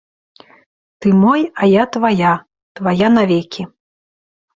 Ты мой, а я твая, твая навекі.